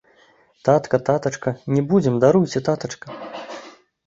Татка, татачка, не будзем, даруйце, татачка.